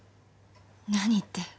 何って。